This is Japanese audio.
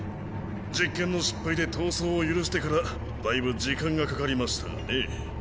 実験の失敗で逃走を許してからだいぶ時間がかかりましたがねぇ。